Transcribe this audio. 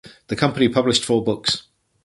The company published four books.